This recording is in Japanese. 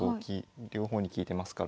両方に利いてますから。